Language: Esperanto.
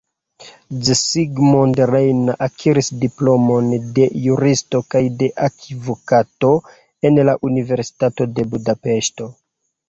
Zsigmond Reiner akiris diplomon de juristo kaj de advokato en la Universitato de Budapeŝto.